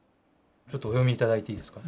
ちょっとお読み頂いていいですか。